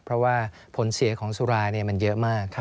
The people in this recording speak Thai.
เพราะว่าผลเสียของสุรามันเยอะมาก